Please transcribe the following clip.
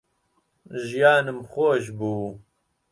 ژیانم خۆش بوو